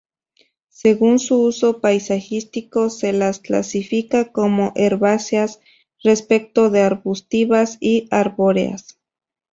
Según su uso paisajístico se las clasifica como herbáceas, respecto de arbustivas y arbóreas.